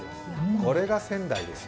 これが仙台ですよ。